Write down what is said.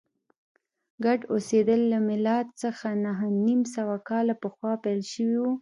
ګډ اوسېدل له میلاد څخه نهه نیم سوه کاله پخوا پیل شوي و